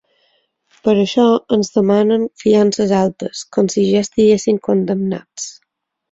Per això ens demanen fiances altes, com si ja estiguéssim condemnats.